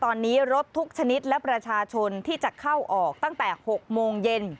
ตอนนี้รถทุกชนิดและประชาชนที่จะเข้าออกตั้งแต่๖โมงเย็น